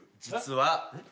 実は。